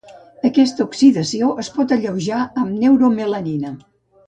Aquesta oxidació es pot alleujar amb neuromelanina.